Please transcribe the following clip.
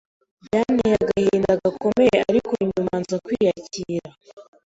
Byanteye agahinda gakomeye ariko nyuma nza kwiyakira